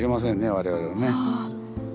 我々はね。